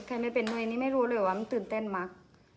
ใครไม่เป็นมืออันนี้ไม่รู้เลยว่ามันตื่นเต้นมาก